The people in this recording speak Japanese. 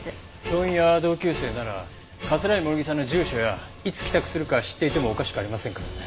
教員や同級生なら桂井萌衣さんの住所やいつ帰宅するか知っていてもおかしくありませんからね。